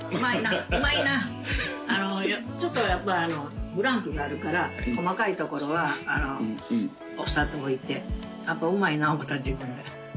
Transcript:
ちょっとやっぱブランクがあるから細かいところはさておいてやっぱうまいな思うた自分で。